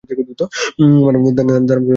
দানবগুলো সত্যিই ভয়ংকর।